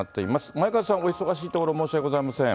前川さん、お忙しいところ申し訳ございません。